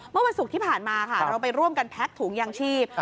เมื่อวันศุกร์ที่ผ่านมาค่ะเราไปร่วมกันแพ็กถุงยางชีพ